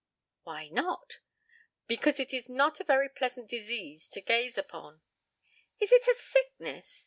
'" "Why not?" "Because it is not a very pleasant disease to gaze upon." "Is it a sickness?